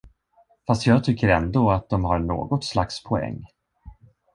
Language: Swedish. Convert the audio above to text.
Fast jag tycker ändå att de har något slags poäng?